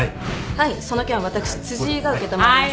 はいその件は私辻井が承ります。